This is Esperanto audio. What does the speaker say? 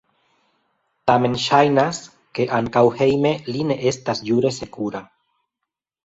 Tamen ŝajnas, ke ankaŭ hejme li ne estas jure sekura.